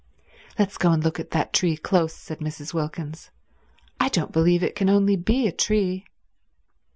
"Let's go and look at that tree close," said Mrs. Wilkins. "I don't believe it can only be a tree."